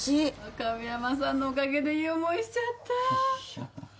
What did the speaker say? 亀山さんのおかげでいい思いしちゃった。